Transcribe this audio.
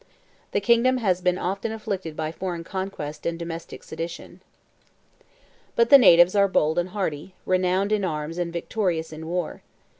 The kingdom has been often afflicted by foreign conquest and domestic sedition: but the natives are bold and hardy, renowned in arms and victorious in war.